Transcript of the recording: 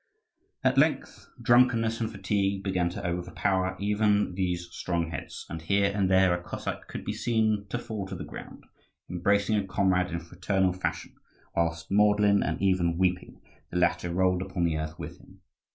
At length drunkenness and fatigue began to overpower even these strong heads, and here and there a Cossack could be seen to fall to the ground, embracing a comrade in fraternal fashion; whilst maudlin, and even weeping, the latter rolled upon the earth with him.